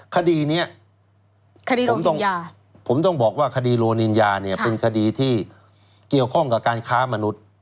คดีนี้คดีถูกยาผมต้องบอกว่าคดีโรนินยาเนี่ยเป็นคดีที่เกี่ยวข้องกับการค้ามนุษย์